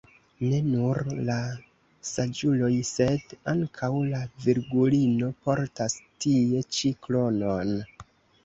Ne nur la saĝuloj sed ankaŭ la Virgulino portas tie ĉi kronon.